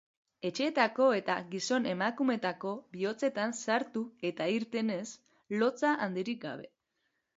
Etxeetako eta gizon-emakumeetako bihotzetan sartu eta irtenez, lotsa handirik gabe.